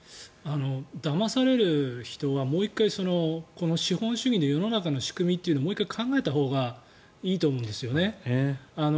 だまされる人はもう１回、資本主義の世の中の仕組みというのをもう１回考えたほうがいいと思うんですよね。